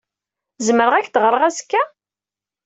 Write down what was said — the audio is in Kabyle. Zemreɣ ad ak-d-ɣreɣ azekka?